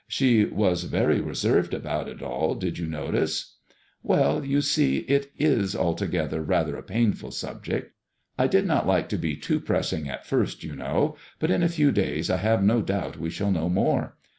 She was very reserved about it all, did you notice ?"Well, you see it is alto gether rather a painful subject. I did not like to be too pressing at first, you know ; but in a few days I have no doubt we shall know more.